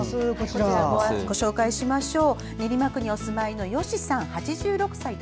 ご紹介しましょう。